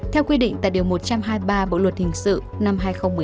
theo quy định tại điều một trăm hai mươi ba bộ luật hình sự năm hai nghìn một mươi năm